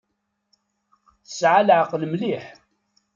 Tesɛa leɛqel mliḥ.